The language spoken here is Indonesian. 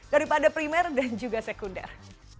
daripada primer dan juga sekunder